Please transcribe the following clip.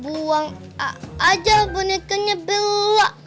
buang aja bonekanya belak